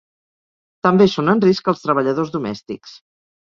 També són en risc els treballadors domèstics.